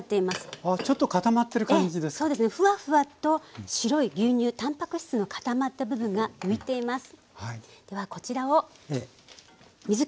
ふわふわと白い牛乳タンパク質の固まった部分が浮いています。